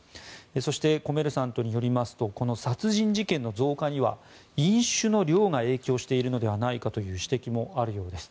そしてコメルサントによりますと殺人事件の増加には飲酒の量が影響しているのではないかという指摘もあるようです。